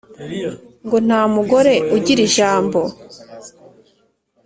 ngo nta mugore ugira ijambo